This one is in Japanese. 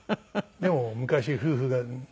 でも昔夫婦が。